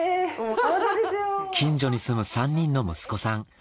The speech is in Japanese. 近所に住む３人の息子さん。